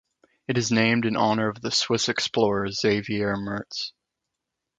It is named in honor of the Swiss explorer Xavier Mertz.